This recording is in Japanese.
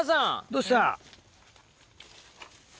どうした？